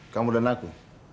kamu dan aku